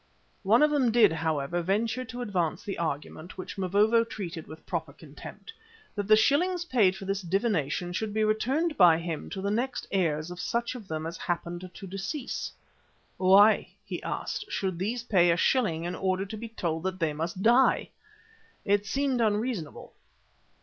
One of them did, however, venture to advance the argument, which Mavovo treated with proper contempt, that the shillings paid for this divination should be returned by him to the next heirs of such of them as happened to decease. Why, he asked, should these pay a shilling in order to be told that they must die? It seemed unreasonable.